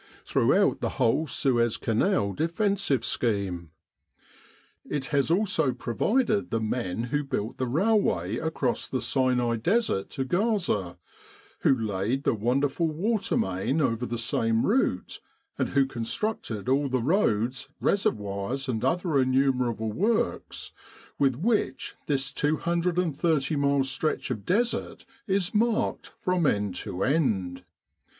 throughout the whole Suez Canal defensive scheme. It has also provided the men who built the railway across the Sinai Desert to Gaza, who laid the wonder ful water main over the same route, and who con structed a^ll the roads, reservoirs, and other innumer able works with which this 23o mile stretch of Desert is marked from end to end.